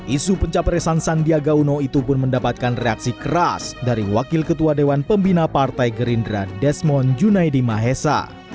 isu pencapresan sandiaga uno itu pun mendapatkan reaksi keras dari wakil ketua dewan pembina partai gerindra desmond junaidi mahesa